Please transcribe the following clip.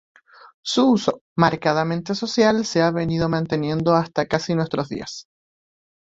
Su uso, marcadamente social, se ha venido manteniendo hasta casi nuestros días.